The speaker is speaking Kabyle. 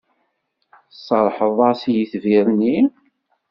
Tserrḥeḍ-as i yitbir-nni?